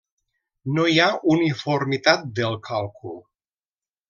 No hi ha uniformitat del càlcul.